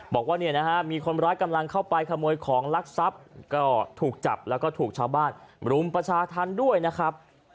บอกว่าเนี่ยนะฮะมีคนร้ายกำลังเข้าไปขโมยของลักทรัพย์ก็ถูกจับแล้วก็ถูกชาวบ้านรุมประชาธรรมด้วยนะครับ